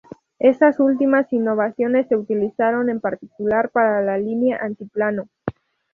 Estas últimas innovaciones se utilizaron, en particular, para la línea Altiplano.